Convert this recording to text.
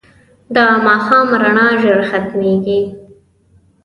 د ماښام رڼا ژر ختمېږي